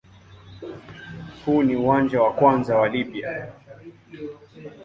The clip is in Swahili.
Huu ni uwanja wa kwanza wa Libya.